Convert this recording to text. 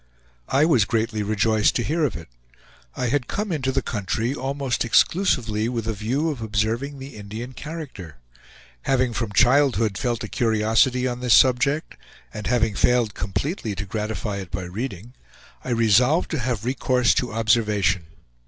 I was greatly rejoiced to hear of it. I had come into the country almost exclusively with a view of observing the Indian character. Having from childhood felt a curiosity on this subject, and having failed completely to gratify it by reading, I resolved to have recourse to observation.